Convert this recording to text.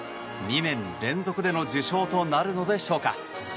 ２年連続での受賞となるのでしょうか。